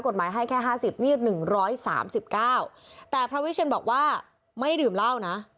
กฎหมายให้แค่ห้าสิบนี่๑๓๙แต่พระวิชชนบอกว่าไม่ได้ดื่มเหล้านะ